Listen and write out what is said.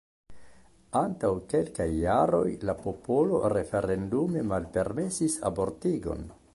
Antaŭ kelkaj jaroj la popolo referendume malpermesis abortigon.